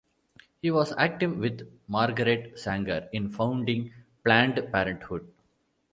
He was active with Margaret Sanger in founding Planned Parenthood.